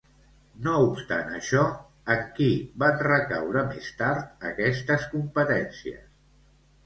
No obstant això, en qui van recaure més tard aquestes competències?